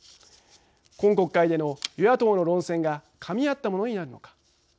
今国会での与野党の論戦がかみあったものになるのか